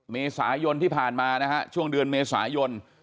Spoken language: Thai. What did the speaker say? เมษายนที่ผ่านมานะฮะช่วงเดือนเมษายน